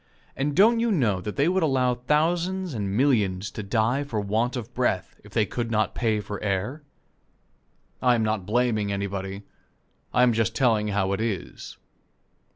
And don't you know that they would allow thousands and millions to die for want of breath, if they could not pay for air? I am not blaming anybody. I am just telling how it is.